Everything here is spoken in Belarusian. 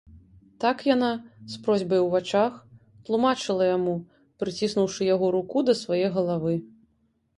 Так яна, з просьбай у вачах, тлумачыла яму, прыціснуўшы яго руку да свае галавы.